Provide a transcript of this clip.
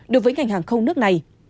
đối với ngành hàng không nước này